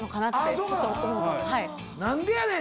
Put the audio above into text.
「何でやねん！」